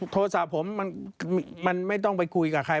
โทรศัพท์ผมมันไม่ต้องไปคุยกับใคร